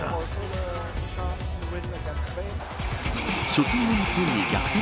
初戦の日本に逆転